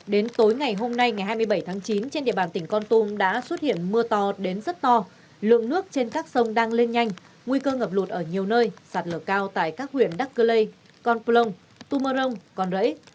đến tối ngày hôm nay ngày hai mươi bảy tháng chín trên địa bàn tỉnh con tung đã xuất hiện mưa to đến rất to lượng nước trên các sông đang lên nhanh nguy cơ ngập lụt ở nhiều nơi sạt lửa cao tại các huyện đắk cơ lê con plông tu mơ rông con rẫy